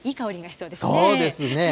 そうですね。